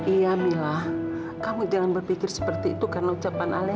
iya mila kamu jangan berpikir seperti itu karena ucapan alih